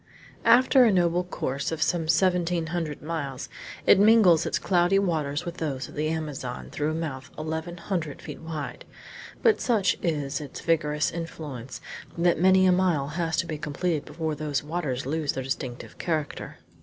After a noble course of some seventeen hundred miles it mingles its cloudy waters with those of the Amazon through a mouth eleven hundred feet wide, but such is its vigorous influx that many a mile has to be completed before those waters lose their distinctive character.